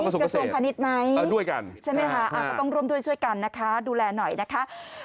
กระทรวงเกษตรด้วยกันใช่ไหมคะต้องรวมด้วยช่วยกันนะคะดูแลหน่อยนะคะ